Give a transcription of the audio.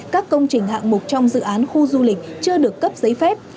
các công trình hạng mục trong dự án khu du lịch chưa được cấp giấy phép